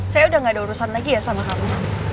saya udah nggak ada urusan lagi ya sama kamu